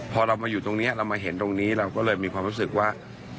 พอเรามาอยู่ตรงนี้เรามาเห็นตรงนี้เราก็เลยมีความรู้สึกว่า